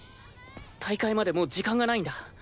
大会までもう時間がないんだ。